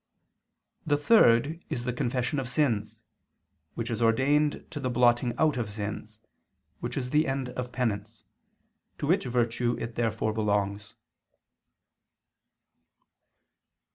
The third is the confession of sins, which is ordained to the blotting out of sins, which is the end of penance, to which virtue it therefore belongs.